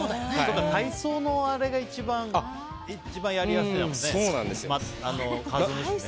体操のあれが一番やりやすいもんね。